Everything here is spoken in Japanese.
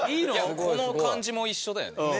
この感じも一緒だよね。